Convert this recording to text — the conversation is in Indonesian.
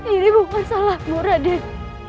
ini bukan salahmu raden